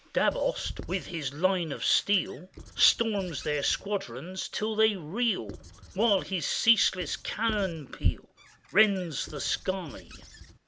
Davoust, with his line of steel, Storms their squadrons till they reel, While his ceaseless cannon peal Rends the sky.